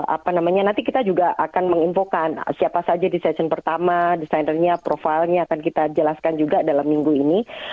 apa namanya nanti kita juga akan menginfokan siapa saja di session pertama desainernya profilnya akan kita jelaskan juga dalam minggu ini